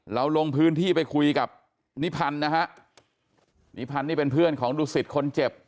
ลงพื้นที่ไปคุยกับนิพันธ์นะฮะนิพันธ์นี่เป็นเพื่อนของดุสิตคนเจ็บ